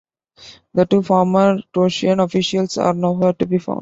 The two former Croatian officials are nowhere to be found.